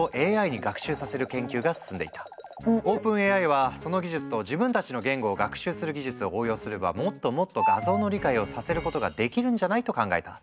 ＯｐｅｎＡＩはその技術と自分たちの言語を学習する技術を応用すればもっともっと画像の理解をさせることができるんじゃない？と考えた。